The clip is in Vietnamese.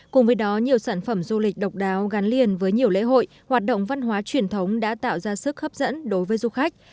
cùng với đó nhiều sản phẩm du lịch độc đáo gắn liền với nhiều lễ hội hoạt động văn hóa truyền thống đã tạo ra sức hấp dẫn đối với du khách